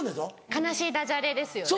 悲しいダジャレですよね。